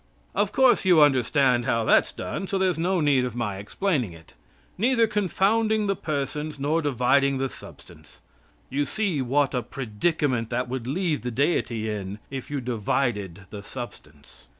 Of course you understand how that's done, and there's no need of my explaining it. Neither confounding the persons nor dividing the substance. You see what a predicament that would leave the Deity in if you divided, the substance.